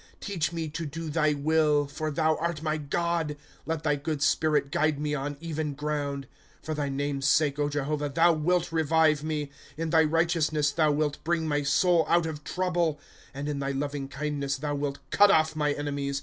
"* Teach me to do thy will. For thou art my God ; Let thy good Spirit guide me on even ground. " For thy name's sake, Jehovah, thou wilt revive me ; In thy righteousness thou wilt bring my soul out of trouble. 12 And in thy loving kindness thou wilt cut off my enemies.